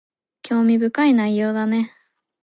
興味深い内容だね